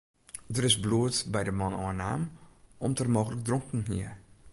Der is bloed by de man ôfnaam om't er mooglik dronken hie.